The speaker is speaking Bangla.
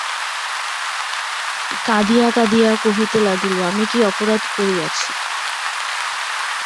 কাঁদিয়া কাঁদিয়া কহিতে লাগিল, আমি কী অপরাধ করিয়াছি?